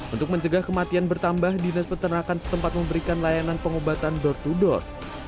untuk mencegah kematian bertambah dinas peternakan setempat memberikan layanan pengobatan door to door